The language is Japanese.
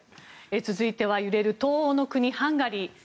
続いては揺れる東欧の国ハンガリー。